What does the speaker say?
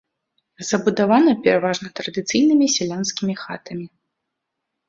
Забудавана пераважна традыцыйнымі сялянскімі хатамі.